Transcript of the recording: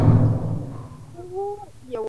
三方郡为福井县的郡。